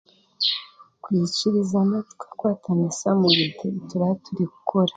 kwikirizana tukakwatanisa mu bintu ebi turaaturikukora